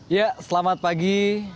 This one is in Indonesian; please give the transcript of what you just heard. ya selamat pagi